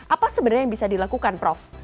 apa sebenarnya yang bisa dilakukan prof